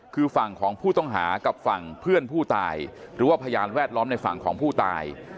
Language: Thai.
คือฝั่งของผู้ต้องหากับฝั่งเพื่อนผู้ตายหรือว่าพยานแวดล้อมในฝั่งของผู้ตาย